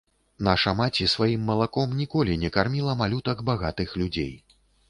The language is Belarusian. Наша маці сваім малаком ніколі не карміла малютак багатых людзей.